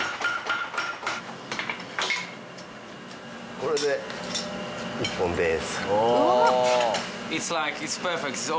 これで１本です。